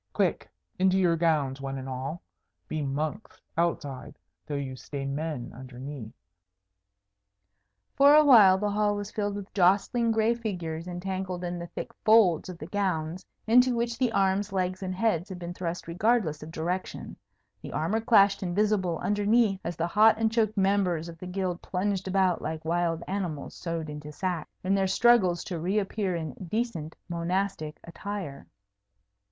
"Quick, into your gowns, one and all! Be monks outside, though you stay men underneath." For a while the hall was filled with jostling gray figures entangled in the thick folds of the gowns, into which the arms, legs, and heads had been thrust regardless of direction; the armour clashed invisible underneath as the hot and choked members of the Guild plunged about like wild animals sewed into sacks, in their struggles to reappear in decent monastic attire.